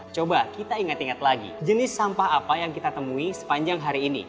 coba kita ingat ingat lagi jenis sampah apa yang kita temui sepanjang hari ini